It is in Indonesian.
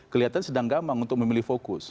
kelihatan sedang gampang untuk memilih fokus